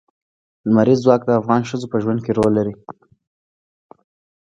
لمریز ځواک د افغان ښځو په ژوند کې رول لري.